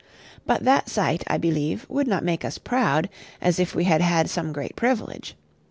But that sight, I believe, would not make us proud, as if we had had some great privilege.